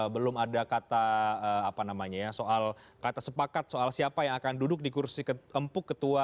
belum ada kata sepakat soal siapa yang akan duduk di kursi empuk ketua mpr